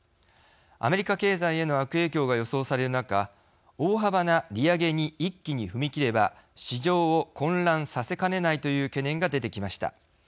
アメリカ経済への悪影響が予想される中、大幅な利上げに一気に踏み切れば市場を混乱させかねないという懸念が出てきました。